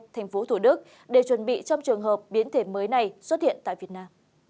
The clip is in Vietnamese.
tp thủ đức để chuẩn bị trong trường hợp biến thể mới này xuất hiện tại việt nam